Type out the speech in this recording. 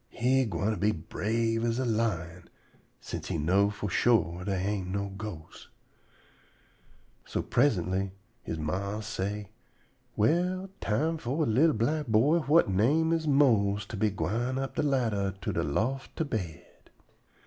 He gwine be brave as a lion, sence he know fo' sure dey ain' no ghosts. So prisintly he ma say: "Well, time fo' a li'l black boy whut he name is Mose to be gwine up de ladder to de loft to bed."